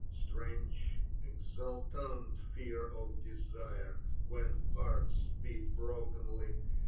Strange exultant fear of desire, when hearts Beat brokenly.